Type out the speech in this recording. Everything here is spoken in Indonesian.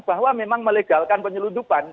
bahwa memang melegalkan penyelundupan